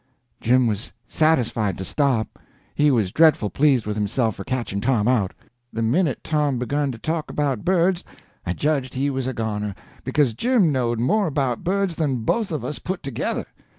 Jim was satisfied to stop. He was dreadful pleased with himself for catching Tom out. The minute Tom begun to talk about birds I judged he was a goner, because Jim knowed more about birds than both of us put together.